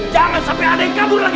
jangan sampai ada yang kabur lagi